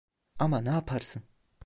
Ama ne yaparsın?